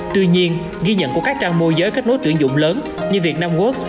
tuy nhiên ghi nhận của các trang môi giới kết nối tuyển dụng lớn như vietnam works